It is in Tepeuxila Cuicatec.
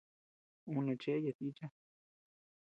Ú neʼë cheʼe yata ícha.